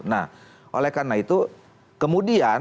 nah oleh karena itu kemudian